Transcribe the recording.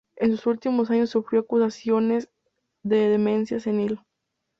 En sus últimos años sufrió acusaciones de demencia senil.